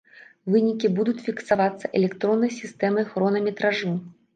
Вынікі будуць фіксавацца электроннай сістэмай хронаметражу.